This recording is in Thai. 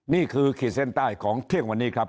ขีดเส้นใต้ของเที่ยงวันนี้ครับ